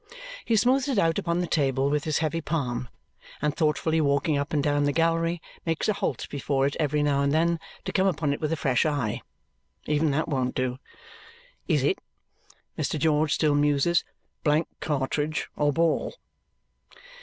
He smooths it out upon the table with his heavy palm, and thoughtfully walking up and down the gallery, makes a halt before it every now and then to come upon it with a fresh eye. Even that won't do. "Is it," Mr. George still muses, "blank cartridge or ball?"